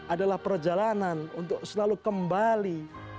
adalah perjalanan untuk selalu kembali